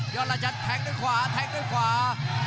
อดราชันแทงด้วยขวาแทงด้วยขวา